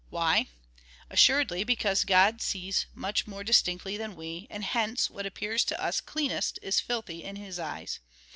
Why ? Assuredly, because God sees much more distinctly than w^e ; and hence, what appears to us cleanest, is filthy in his eyes.